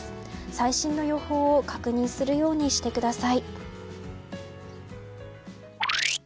最新の予報を確認するようにしてください。